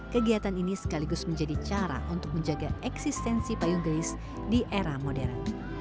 kegiatan ini sekaligus menjadi cara untuk menjaga eksistensi payung gelis di era modern